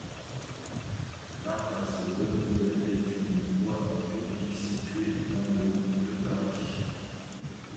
L'impasse Bonne-Nouvelle est une voie publique située dans le de Paris.